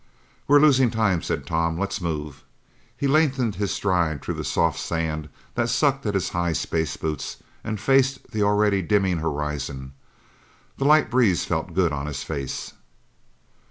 "We're losing time," said Tom. "Let's move." He lengthened his stride through the soft sand that sucked at his high space boots and faced the already dimming horizon. The light breeze felt good on his face.